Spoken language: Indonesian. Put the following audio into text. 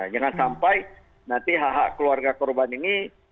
jangan sampai nanti hak hak keluarga korban ini